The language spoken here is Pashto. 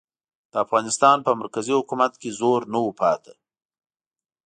د افغانستان په مرکزي حکومت کې زور نه و پاتې.